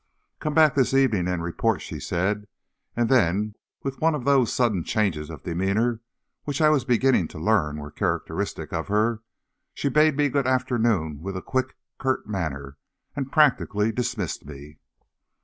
"Come back this evening and report," she said, and then, with one of those sudden changes of demeanor which I was beginning to learn were characteristic of her, she bade me good afternoon with a quick, curt manner, and practically dismissed me.